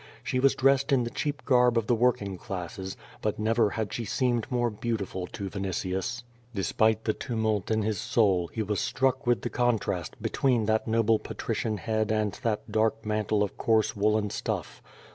She was dressed in the cheap garb of the working classes, but never had she seemed more lieautiful to Vinitius. Despite the tumult in his soul, he was struck with the contrast between that nol)Ie patrician head and that dark mantle of coarse woolen stufT.